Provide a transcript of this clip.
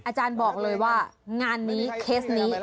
อาจารย์บอกเลยว่างานนี้เคสนี้